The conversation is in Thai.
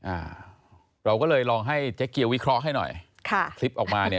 อ่าเราก็เลยลองให้เจ๊เกียววิเคราะห์ให้หน่อยค่ะคลิปออกมาเนี่ย